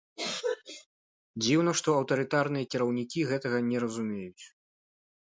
Дзіўна, што аўтарытарныя кіраўнікі гэтага не разумеюць.